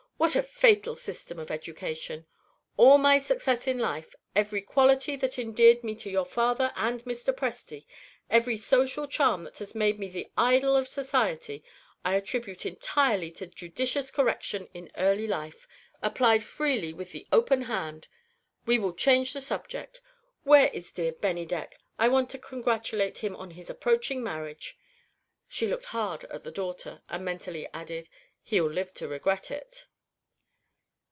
What a fatal system of education! All my success in life; every quality that endeared me to your father and Mr. Presty; every social charm that has made me the idol of society, I attribute entirely to judicious correction in early life, applied freely with the open hand. We will change the subject. Where is dear Bennydeck? I want to congratulate him on his approaching marriage." She looked hard at her daughter, and mentally added: "He'll live to regret it!"